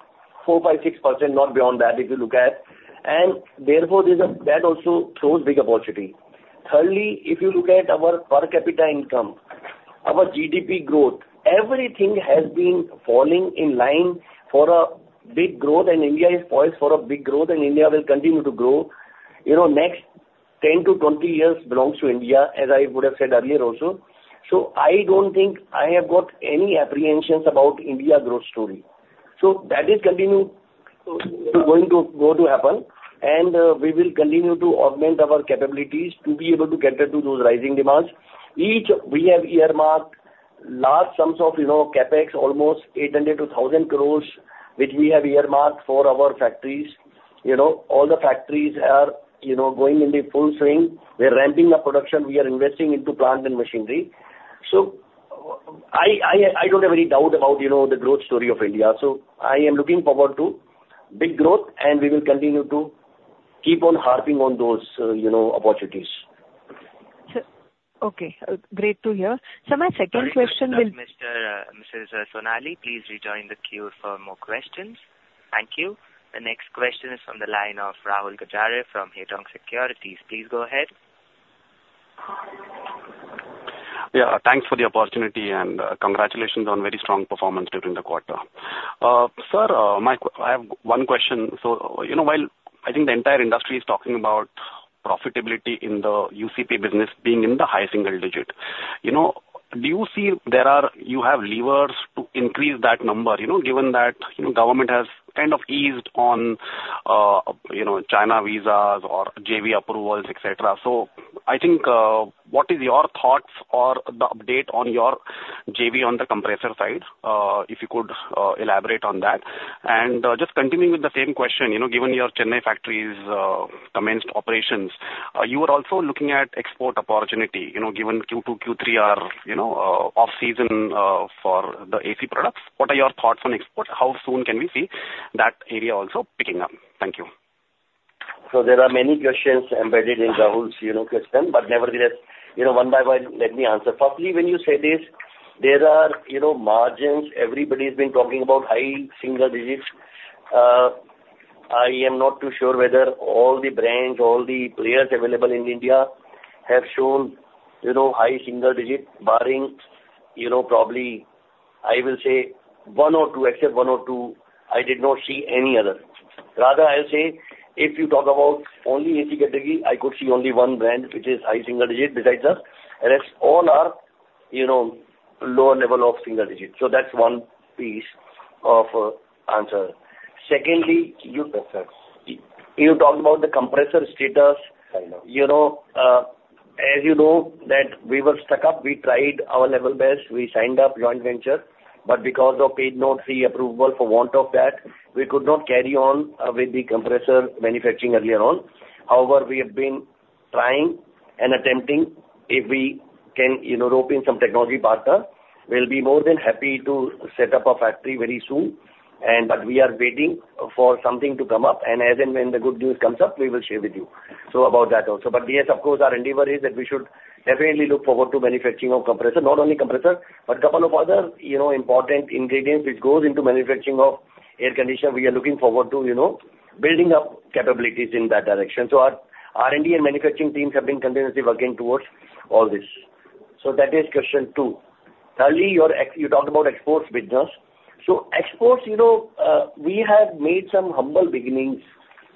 4, 5, 6%, not beyond that, if you look at. And therefore, that also shows big opportunity. Thirdly, if you look at our per capita income, our GDP growth, everything has been falling in line for a big growth, and India is poised for a big growth, and India will continue to grow. You know, next 10-20 years belongs to India, as I would have said earlier also. So I don't think I have got any apprehensions about India growth story. So that is continue going to go to happen, and we will continue to augment our capabilities to be able to cater to those rising demands. We have earmarked large sums of, you know, CAPEX, almost 800-1,000 crores, which we have earmarked for our factories. You know, all the factories are, you know, going in full swing. We are ramping up production. We are investing into plant and machinery. So I don't have any doubt about, you know, the growth story of India. So I am looking forward to big growth, and we will continue to keep on harping on those, you know, opportunities. Sir. Okay, great to hear. Sir, my second question will. Sorry, Mr., Mrs. Sonali, please rejoin the queue for more questions. Thank you. The next question is from the line of Rahul Gajare from Kotak Securities. Please go ahead. Yeah, thanks for the opportunity, and, congratulations on very strong performance during the quarter. Sir, my... I have one question. So, you know, while I think the entire industry is talking about profitability in the UCP business being in the high single digit, you know, do you see you have levers to increase that number, you know, given that, you know, government has kind of eased on you know, China visas or JV approvals, et cetera. So I think, what is your thoughts or the update on your JV on the compressor side? If you could, elaborate on that. And, just continuing with the same question, you know, given your Chennai factory's commenced operations, you are also looking at export opportunity, you know, given Q2, Q3 are, you know, off season, for the AC products. What are your thoughts on exports? How soon can we see that area also picking up? Thank you. So there are many questions embedded in Rahul's, you know, question, but nevertheless, you know, one by one, let me answer. Firstly, when you say this, there are, you know, margins, everybody's been talking about high single digits. I am not too sure whether all the brands, all the players available in India have shown, you know, high single digits, barring, you know, probably, I will say one or two, except one or two, I did not see any other. Rather, I'll say, if you talk about only AC category, I could see only one brand which is high single digit, besides us. And rest all are, you know, lower level of single digits. So that's one piece of answer. Secondly, you, you talked about the compressor status. I know. You know, as you know, that we were stuck up, we tried our level best. We signed up joint venture, but because of FEMA note, FDI approval, for want of that, we could not carry on, with the compressor manufacturing earlier on. However, we have been trying and attempting if we can, you know, rope in some technology partner, we'll be more than happy to set up a factory very soon. And but we are waiting for something to come up. And as and when the good news comes up, we will share with you. So about that also. But yes, of course, our endeavor is that we should definitely look forward to manufacturing of compressor. Not only compressor, but a couple of other, you know, important ingredients which goes into manufacturing of air conditioner. We are looking forward to, you know, building up capabilities in that direction. So our R&D and manufacturing teams have been continuously working towards all this. So that is question two. Thirdly, you talked about exports business. So exports, you know, we have made some humble beginnings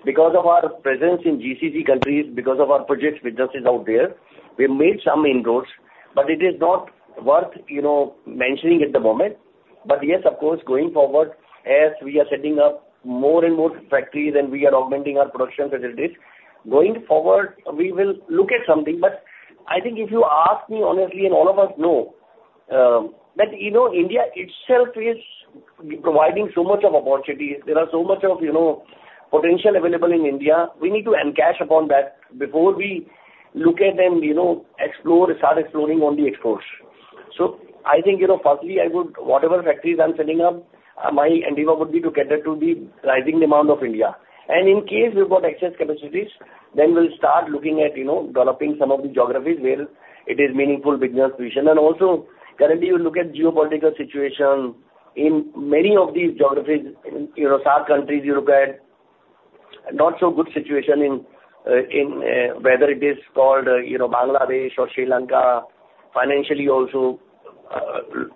because of our presence in GCC countries, because of our projects businesses out there. We've made some inroads, but it is not worth, you know, mentioning at the moment. But yes, of course, going forward, as we are setting up more and more factories, and we are augmenting our production capacities. Going forward, we will look at something, but I think if you ask me honestly, and all of us know, that, you know, India itself is providing so much of opportunities. There are so much of, you know, potential available in India. We need to encash upon that before we look at and, you know, explore, start exploring on the exports. So I think, you know, firstly, I would, whatever factories I'm setting up, my endeavor would be to cater to the rising demand of India. And in case we've got excess capacities, then we'll start looking at, you know, developing some of the geographies where it is meaningful business vision. And also, currently, you look at geopolitical situation in many of these geographies, you know, SAARC countries, you look at not so good situation in, in whether it is called, you know, Bangladesh or Sri Lanka. Financially also,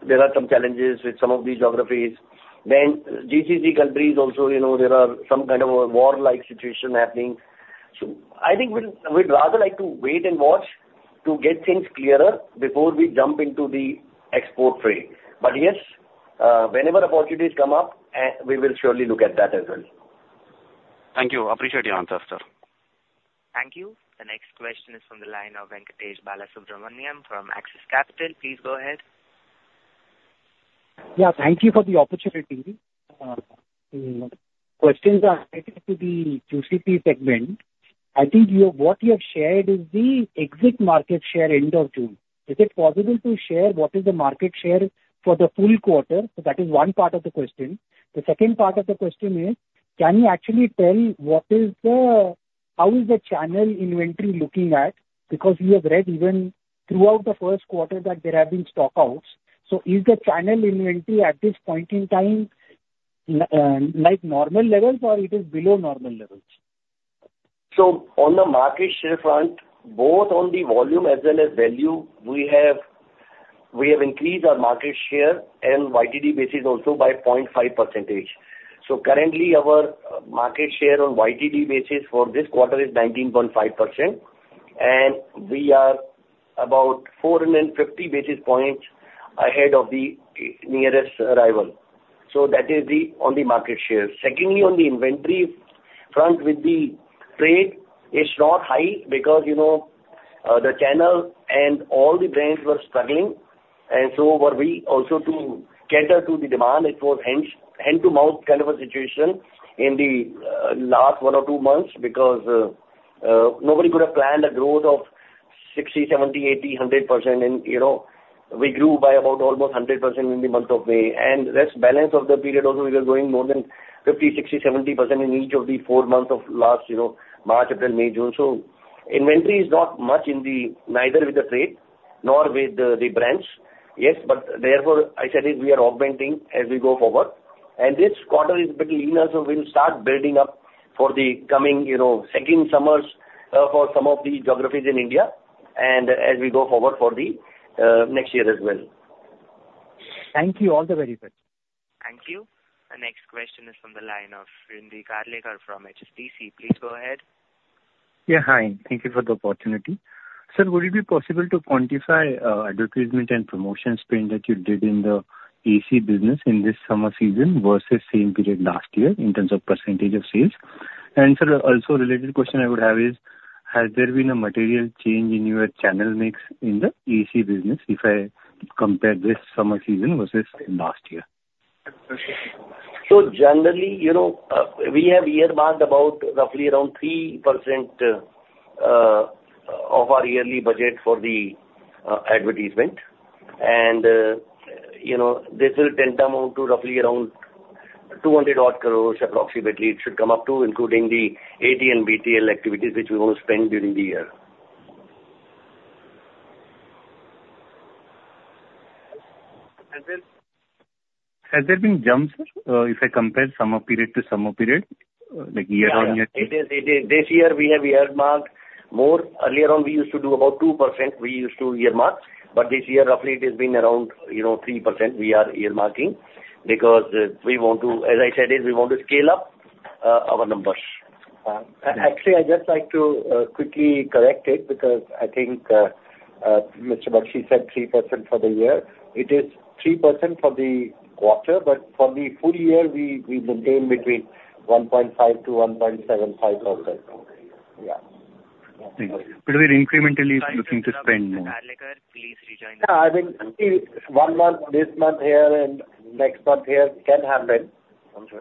there are some challenges with some of these geographies. Then GCC countries also, you know, there are some kind of a war-like situation happening. So I think we'd rather like to wait and watch to get things clearer before we jump into the export trade. But yes, whenever opportunities come up, we will surely look at that as well. Thank you. Appreciate your answers, sir. Thank you. The next question is from the line of Venkatesh Balasubramanian from Axis Capital. Please go ahead. Yeah, thank you for the opportunity. Questions are related to the UCP segment. I think you, what you have shared is the exit market share end of June. Is it possible to share what is the market share for the full quarter? So that is one part of the question. The second part of the question is, can you actually tell what is the, how is the channel inventory looking at? Because we have read even throughout the first quarter that there have been stock outs. So is the channel inventory at this point in time, like normal levels or it is below normal levels? So on the market share front, both on the volume as well as value, we have increased our market share and YTD basis also by 0.5%. So currently, our market share on YTD basis for this quarter is 19.5%, and we are about 450 basis points ahead of the nearest rival. So that is, on the market share. Secondly, on the inventory front, with the trade, it's not high because, you know, the channel and all the brands were struggling, and so were we also to cater to the demand. It was hand-to-mouth kind of a situation in the last one or two months, because nobody could have planned a growth of 60%, 70%, 80%, 100%. And, you know, we grew by about almost 100% in the month of May. Rest balance of the period also, we were growing more than 50%, 60%, 70% in each of the 4 months of last, you know, March, April, May, June. Inventory is not much, neither with the trade nor with the brands. Yes, but therefore, I said it, we are augmenting as we go forward. This quarter is bit lean, so we'll start building up for the coming, you know, second summers, for some of the geographies in India, and as we go forward for the next year as well. Thank you all the very best. Thank you. The next question is from the line of Shrinidhi Karlekar from HSBC. Please go ahead. Yeah, hi. Thank you for the opportunity. Sir, would it be possible to quantify, advertisement and promotion spend that you did in the AC business in this summer season versus same period last year in terms of percentage of sales? And sir, also related question I would have is, has there been a material change in your channel mix in the AC business if I compare this summer season versus last year? So generally, you know, we have earmarked about roughly around 3% of our yearly budget for the advertisement. And, you know, this will tend to amount to roughly around 200-odd crore, approximately, it should come up to, including the ATL and BTL activities, which we want to spend during the year. Has there been jumps, if I compare summer period to summer period, like year-on-year? Yeah, it is, it is. This year we have earmarked more. Earlier on, we used to do about 2%, we used to earmark, but this year, roughly it has been around, you know, 3% we are earmarking. Because we want to, as I said, is we want to scale up our numbers. Actually, I'd just like to quickly correct it, because I think Mr. Bakshi said 3% for the year. It is 3% for the quarter, but for the full year, we maintain between 1.5%-1.75%. Yeah. Thank you. But we're incrementally looking to spend more. Please rejoin. Yeah, I think one month, this month here and next month here, it can happen. Okay.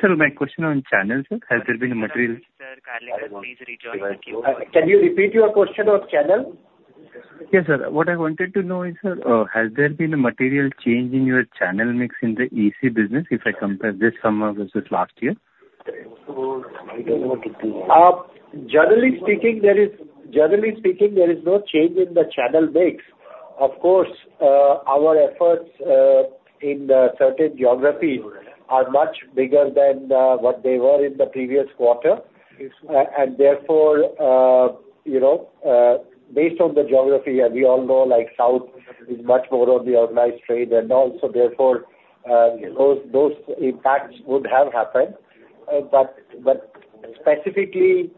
Sir, my question on channels, sir. Has there been a material- Sir Karlekar, please rejoin the queue. Can you repeat your question on channel? Yes, sir. What I wanted to know is, sir, has there been a material change in your channel mix in the AC business if I compare this summer versus last year? Generally speaking, there is no change in the channel mix. Of course, our efforts in certain geographies are much bigger than what they were in the previous quarter. Yes. And therefore, you know, based on the geography, as we all know, like south is much more on the organized trade and also therefore, those impacts would have happened. But specifically,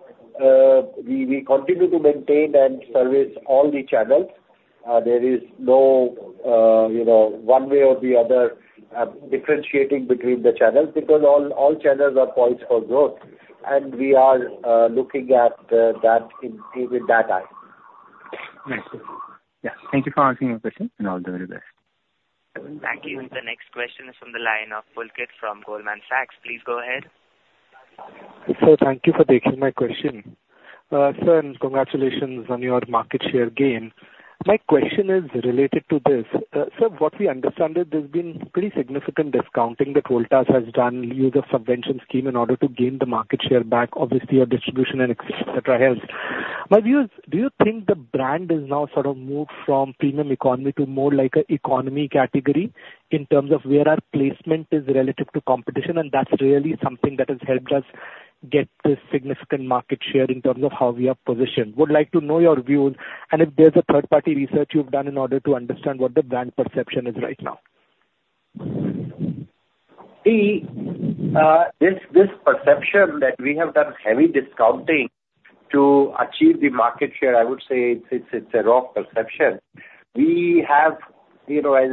we continue to maintain and service all the channels. There is no, you know, one way or the other, differentiating between the channels, because all channels are points for growth, and we are looking at that in with that eye. Thank you. Yeah, thank you for answering my question, and all the very best. Thank you. The next question is from the line of Pulkit from Goldman Sachs. Please go ahead. Sir, thank you for taking my question. Sir, and congratulations on your market share gain. My question is related to this. Sir, what we understand is there's been pretty significant discounting that Voltas has done use conversion scheme in order to gain the market share back, obviously, your distribution and et cetera, helps. My view is, do you think the brand is now sort of moved from premium economy to more like a economy category in terms of where our placement is relative to competition, and that's really something that has helped us get this significant market share in terms of how we are positioned? Would like to know your views, and if there's a third-party research you've done in order to understand what the brand perception is right now. This perception that we have done heavy discounting to achieve the market share, I would say it's a wrong perception. We have, you know, as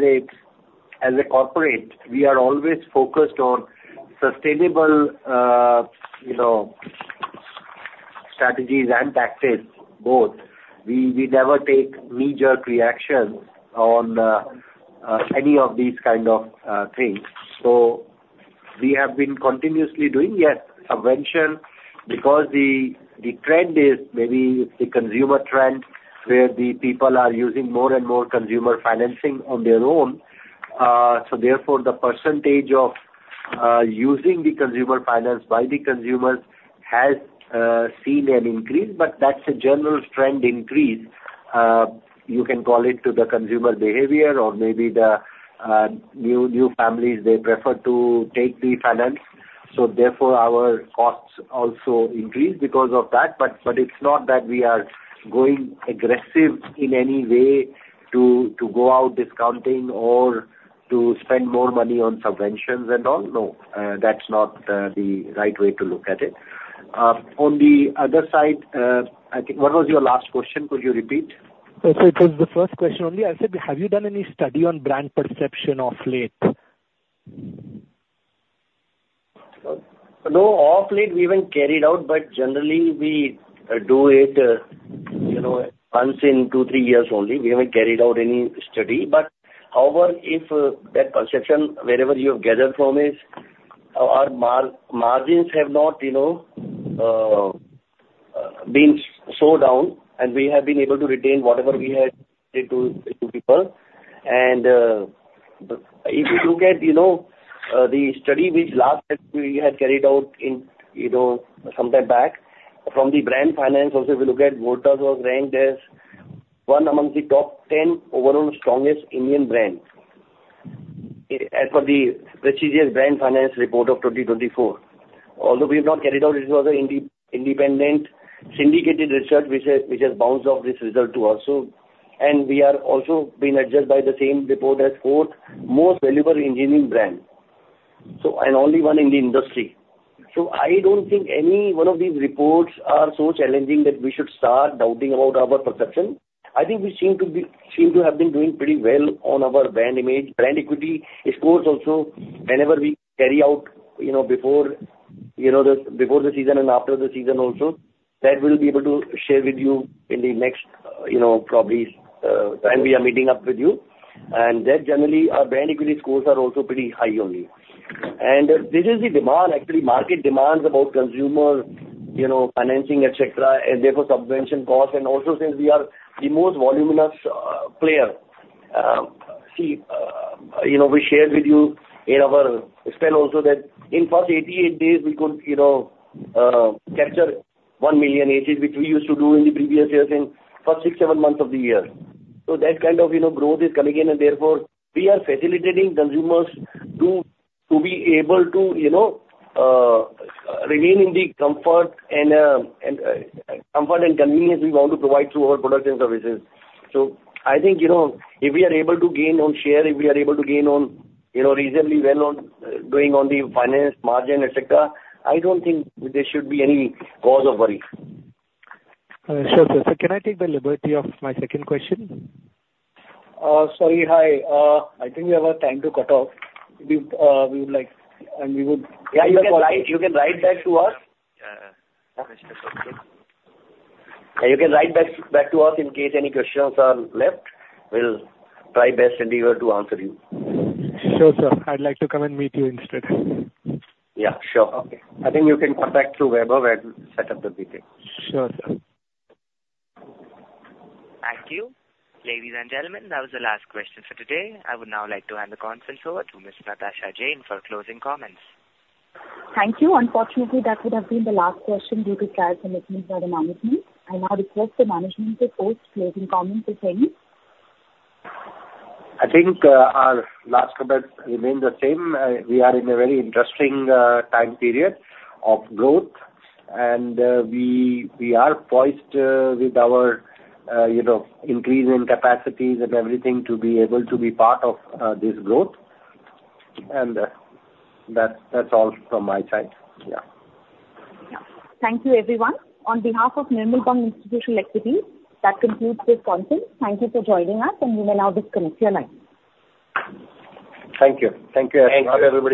a corporate, we are always focused on sustainable, you know, strategies and tactics, both. We never take knee-jerk reactions on any of these kind of things. So we have been continuously doing subvention, because the trend is maybe it's the consumer trend, where the people are using more and more consumer financing on their own. So therefore, the percentage of using the consumer finance by the consumers has seen an increase, but that's a general trend increase. You can call it to the consumer behavior or maybe the new families, they prefer to take the finance. So therefore, our costs also increase because of that. But it's not that we are going aggressive in any way to go out discounting or to spend more money on subventions and all. No, that's not the right way to look at it. On the other side, I think... What was your last question? Could you repeat? It was the first question only. I said, have you done any study on brand perception of late? No, of late we haven't carried out, but generally we do it, you know, once in two, three years only. We haven't carried out any study. But however, if that perception, wherever you have gathered from it, our margins have not, you know, been so down, and we have been able to retain whatever we had to, to people. And if you look at, you know, the last study that we had carried out, you know, some time back, from Brand Finance, also, if you look at Voltas was ranked as one among the top 10 overall strongest Indian brands, as per the prestigious Brand Finance report of 2024. Although we have not carried out it, it was an independent syndicated research which has, which has bounced off this result to us, so. And we are also being addressed by the same report as fourth most valuable engineering brand, so, and only one in the industry. So I don't think any one of these reports are so challenging that we should start doubting about our perception. I think we seem to have been doing pretty well on our brand image, brand equity scores also. Whenever we carry out, you know, before the season and after the season also, that we'll be able to share with you in the next, you know, probably time we are meeting up with you. And there, generally, our brand equity scores are also pretty high only. This is the demand, actually, market demands about consumer, you know, financing, et cetera, and therefore subvention costs. And also since we are the most voluminous player, you know, we shared with you in our call also that in first 88 days, we could, you know, capture 1 million ACs, which we used to do in the previous years in first 6-7 months of the year. So that kind of, you know, growth is coming in, and therefore we are facilitating consumers to, to be able to, you know, remain in the comfort and, and, comfort and convenience we want to provide through our products and services. I think, you know, if we are able to gain on share, you know, reasonably well on the finance margin, et cetera, I don't think there should be any cause of worry. Sure, sir. So can I take the liberty of my second question? Sorry. Hi, I think we have a time to cut off. We, we would like, and we would. Yeah, you can write, you can write back to us. Question is okay. You can write back to us in case any questions are left. We'll try best endeavor to answer you. Sure, sir. I'd like to come and meet you instead. Yeah, sure. Okay. I think you can come back through WebEx and set up the meeting. Sure, sir. Thank you. Ladies and gentlemen, that was the last question for today. I would now like to hand the conference over to Ms. Natasha Jain for closing comments. Thank you. Unfortunately, that would have been the last question due to tight commitments by the management. I now request the management to post closing comments, if any. I think, our last comment remains the same. We are in a very interesting time period of growth, and we are poised with our, you know, increasing capacities and everything to be able to be part of this growth. And that's all from my side. Yeah. Thank you, everyone. On behalf of Nirmal Bang Institutional Equities, that concludes this conference. Thank you for joining us, and you may now disconnect your line. Thank you. Thank you. Thank you, everyone.